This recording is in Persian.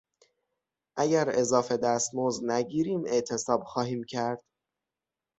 اگر اضافه دستمزد نگیریم اعتصاب خواهیم کرد.